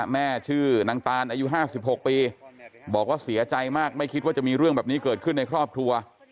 แม่ชื่อนางตานอายุ๕๖ปีบอกว่าเสียใจมากไม่คิดว่าจะมีเรื่องแบบนี้เกิดขึ้นในครอบครัว